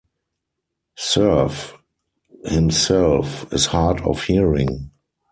Cerf himself is hard of hearing.